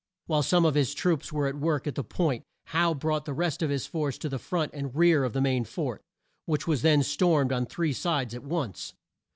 While some of his troops were at work at that point, Howe brought the rest of his force to the front and rear of the main fort, which was then stormed on three sides at once.